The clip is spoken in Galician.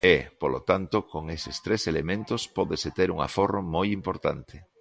E, polo tanto, con eses tres elementos pódese ter un aforro moi importante.